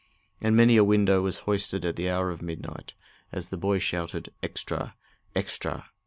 And many a window was hoisted at the hour of midnight as the boy shouted: "Extra! Extra!"